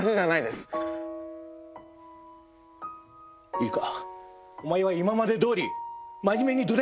いいか。